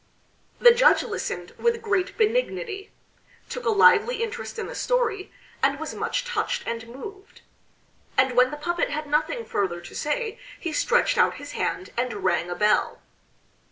The judge listened with great benignity; took a lively interest in the story; and was much touched and moved; and when the puppet had nothing further to say he stretched out his hand and rang a bell.